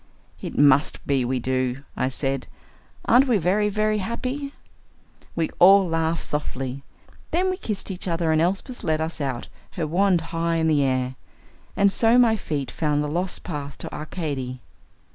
"It must be we do," I said. "Aren't we very, very happy?" We all laughed softly. Then we kissed each other and Elsbeth led us out, her wand high in the air. And so my feet found the lost path to Arcady.